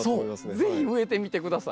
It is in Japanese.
是非植えてみて下さい。